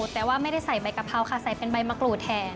แต่ว่าไม่ได้ใส่ใบกะเพราค่ะใส่เป็นใบมะกรูดแทน